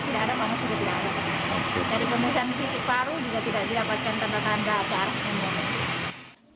dari pemeriksaan fisik paru juga tidak diapakan tanda tanda apa arusnya